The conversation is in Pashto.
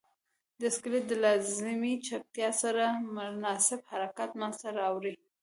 سکلیټ د لازمې چټکتیا سره مناسب حرکت منځ ته راوړي.